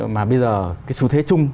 mà bây giờ cái xu thế chung